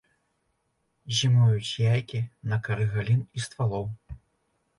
Зімуюць яйкі на кары галін і ствалоў.